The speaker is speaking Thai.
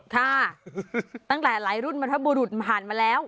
ค่ะตั้งแต่หลายรุ่นบรรทบุรุษผ่านมาแล้ว